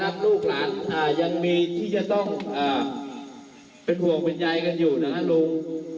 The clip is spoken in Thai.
กินข้าวกินปลานะครับลูกหลานยังมีที่จะต้องเป็นห่วงเป็นยายกันอยู่นะครับลุง